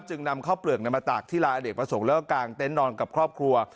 นำข้าวเปลือกมาตากที่ลาอเนกประสงค์แล้วก็กางเต็นต์นอนกับครอบครัว